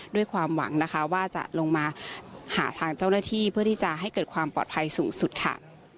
ด้วยความหวังนะคะว่าจะลงมาหาทางเจ้าหน้าที่เพื่อที่จะให้เกิดความปลอดภัยสูงสุดค่ะ